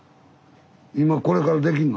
今これからできんの？